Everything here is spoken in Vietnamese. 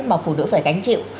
mà phụ nữ phải cánh chịu